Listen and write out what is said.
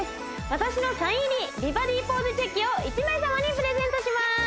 私のサイン入り美バディポーズチェキを１名様にプレゼントします